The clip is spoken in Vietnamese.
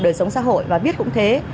đời sống xã hội và biết cũng thế